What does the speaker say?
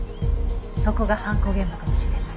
そこが犯行現場かもしれない。